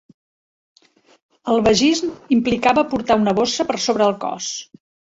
El bagism implicava portar una bossa per sobre el cos.